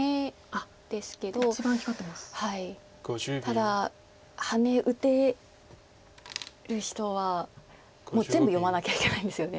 ただハネ打てる人はもう全部読まなきゃいけないんですよね。